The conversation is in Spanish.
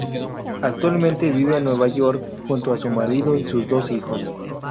Actualmente, vive en Nueva York junto a su marido y sus dos hijos.